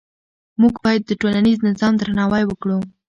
موږ باید د ټولنیز نظام درناوی وکړو.